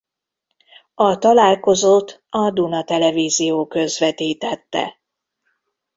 A találkozót a Duna Televízió közvetítette.